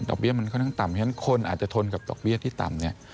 ดอกเบี้ยมันค่อนข้างต่ำฉะนั้นคนอาจจะทนกับดอกเบี้ยที่ต่ำ